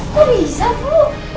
kok bisa bu